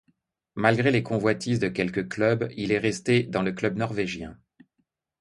Malgré les convoitises de quelques clubs, il est resté dans le club norvégien.